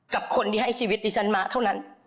กับคนที่ให้ชีวิตดิฉันมาเท่านั้น